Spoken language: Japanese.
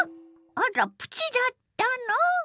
あらプチだったの！